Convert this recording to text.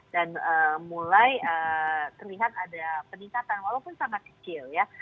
dan mulai terlihat ada peningkatan walaupun sangat kecil ya